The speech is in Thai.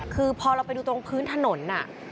คือพอเราไปดูตรงพื้นถนน